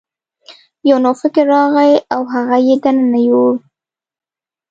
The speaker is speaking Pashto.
یو نوکر راغی او هغه یې دننه یووړ.